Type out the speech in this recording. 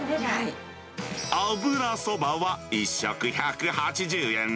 油そばは１食１８０円。